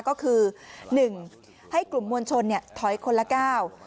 ก็คือ๑ให้กลุ่มมวลชนเนี่ยถอยคนละ๙